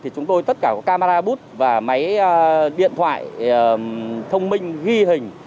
chúng tôi tất cả camera bút và máy điện thoại thông minh ghi hình